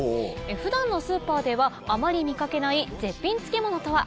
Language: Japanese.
普段のスーパーではあまり見掛けない絶品漬物とは？